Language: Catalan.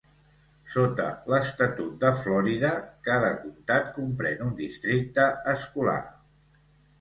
Sota l'estatut de Florida, cada comtat comprèn un districte escolar.